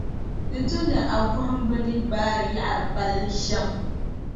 Di tu ni a bɔhim bɛ ni baari yaɣiri palli shɛm.